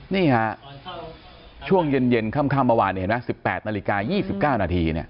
นี่ค่ะช่วงเย็นข้ามเมื่อวาน๑๘นาฬิกา๒๙นาที